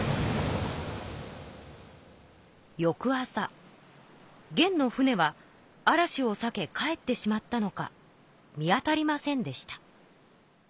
よく朝元の船は嵐をさけ帰ってしまったのか見当たりませんでした。